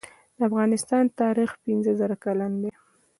د افغانستان تاریخ پنځه زره کلن دی